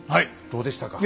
どうでしたか？